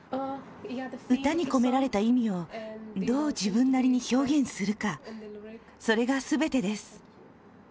歌に込められた意味をどう自分なりに表現するかそれが全てです